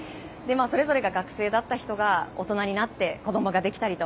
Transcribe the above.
それぞれが学生だった人が大人になって子供ができたりと。